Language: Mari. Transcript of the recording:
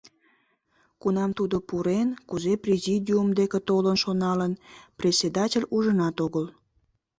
Кунам тудо пурен, кузе президиум деке толын шоналын, председатель ужынат огыл.